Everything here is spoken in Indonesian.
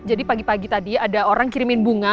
jadi pagi pagi tadi ada orang kirimin bunga